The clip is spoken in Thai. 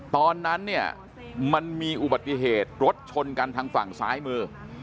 ตอนนั้นเนี่ยมันมีอุบัติเหตุรถชนกันทางฝั่งซ้ายมือ